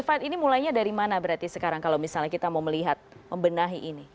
jadi itu dari mana berarti sekarang kalau misalnya kita mau melihat membenahi ini